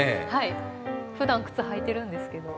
ふだん、靴履いてるんですけど。